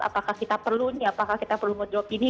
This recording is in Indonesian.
apakah kita perlu ini apakah kita perlu nge drop ini